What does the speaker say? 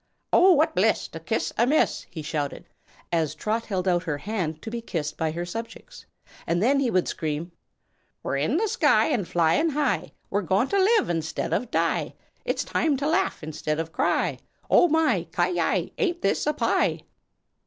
"Oh, what bliss to kiss a miss!" he shouted, as Trot held out her hand to be kissed by her subjects; and then he would scream: "We're in the sky and flyin' high: We're goin' to live instead of die, It's time to laugh instead of cry; Oh, my! ki yi! ain't this a pie!"